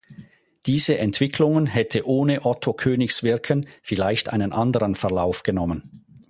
Diese Entwicklungen hätte ohne Otto Koenigs Wirken vielleicht einen anderen Verlauf genommen.